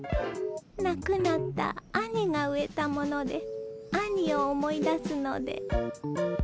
亡くなった兄が植えたもので兄を思い出すので。